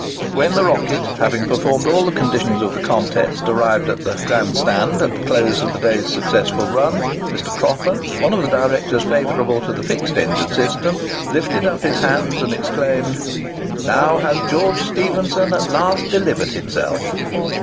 When the "Rocket," having performed all the conditions of the contest, arrived at the "grand stand" at the close of its day's successful run, Mr. Cropper—one of the directors favourable to the fixed engine system—lifted up his hands, and exclaimed, "Now has George Stephenson at last delivered himself!"